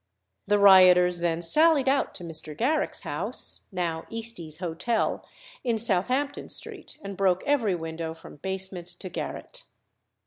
The rioters then sallied out to Mr. Garrick's house (now Eastey's Hotel) in Southampton Street, and broke every window from basement to garret.